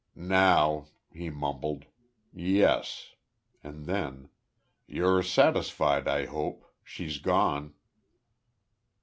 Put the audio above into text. "Now," he mumbled, "yes...." And then: "You're satisfied, I hope. She's gone."